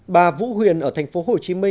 bà vũ huyền ở tp hcm